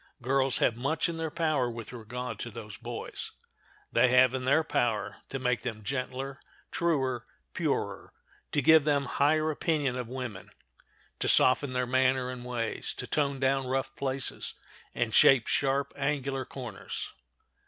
Girls have much in their power with regard to those boys; they have in their power to make them gentler, truer, purer; to give them higher opinion of woman; to soften their manner and ways; to tone down rough places, and shape sharp, angular corners.